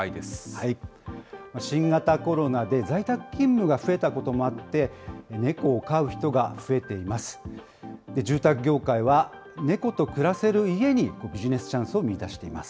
新型コロナで在宅勤務が増えたこともあって、猫を飼う人が増えています。